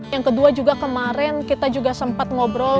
yang kedua juga kemarin kita juga sempat ngobrol